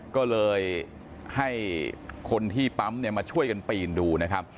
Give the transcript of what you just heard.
ก็เลยให้คนที่ปั๊มเนี่ยมาช่วยกันปีนดูนะครับ